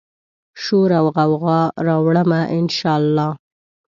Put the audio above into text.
شوراوغوغا راوړمه، ان شا الله